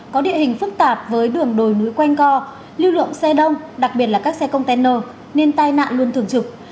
có địa hình phức tạp với đường đồi núi quanh co lưu lượng xe đông đặc biệt là các xe container nên tai nạn luôn thường trực